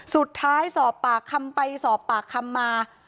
สุดท้ายสอบปากคำไปสอบปากคำมา